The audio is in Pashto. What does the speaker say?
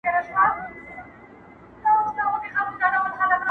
چي قاضي وي چي دا گيند او دا ميدان وي،